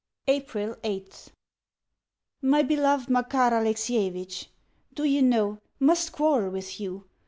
April 8th MY BELOVED MAKAR ALEXIEVITCH, Do you know, I must quarrel with you.